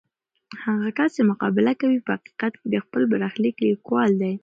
هغه کس چې مقابله کوي، په حقیقت کې د خپل برخلیک لیکوال دی.